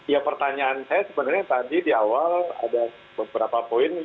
ya pertanyaan saya sebenarnya tadi di awal ada beberapa poin